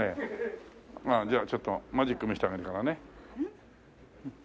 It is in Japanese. まあじゃあちょっとマジック見せてあげるからね。